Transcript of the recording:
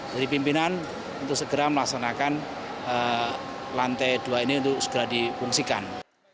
dari pimpinan untuk segera melaksanakan lantai dua ini untuk segera difungsikan